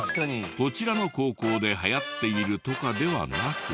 こちらの高校で流行っているとかではなく。